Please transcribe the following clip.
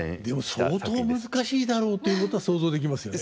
でも相当難しいだろうということは想像できますよね。